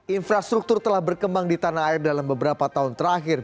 infrastruktur telah berkembang di tanah air dalam beberapa tahun terakhir